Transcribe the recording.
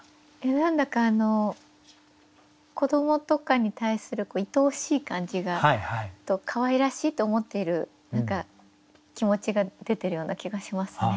なんだかあの子どもとかに対するいとおしい感じとかわいらしいと思っている何か気持ちが出てるような気がしますね。